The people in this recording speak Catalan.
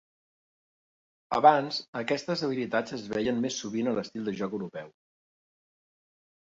Abans, aquestes habilitats es veien més sovint a l'estil de joc europeu.